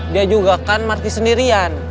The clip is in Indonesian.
dia juga kan marti sendirian